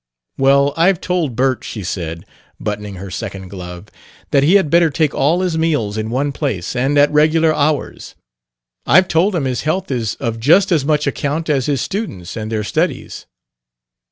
"Well, I've told Bert," she said, buttoning her second glove, "that he had better take all his meals in one place and at regular hours. I've told him his health is of just as much account as his students and their studies."